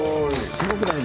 すごい！